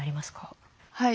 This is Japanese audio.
はい。